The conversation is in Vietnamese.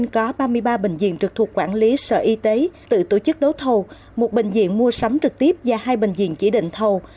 có ba mươi ba bệnh viện trực thuộc quản lý sở y tế tự tổ chức đấu thầu một bệnh viện mua sắm trực tiếp và hai bệnh viện chỉ định thầu